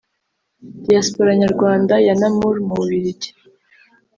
Diaspora Nyarwanda ya Namur mu Bubiligi